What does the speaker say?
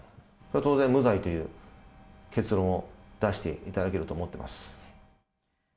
当然、無罪という結論を出していただけると思っています。